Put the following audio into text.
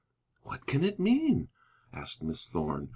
"What can it mean?" asked Miss Thorn.